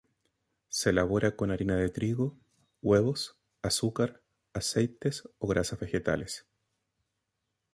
Se elabora con harina de trigo, huevos, azúcar, aceites o grasas vegetales.